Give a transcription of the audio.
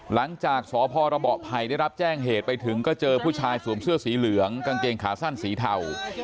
หลังจากสพระเบาะไผ่ได้รับแจ้งเหตุไปถึงก็เจอผู้ชายสวมเสื้อสีเหลืองกางเกงขาสั้นสีเทา